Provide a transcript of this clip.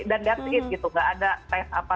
dan that's it gitu nggak ada tes apa